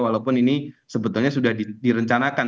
walaupun ini sebetulnya sudah direncanakan